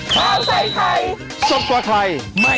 โปรดติดตามตอนต่อไป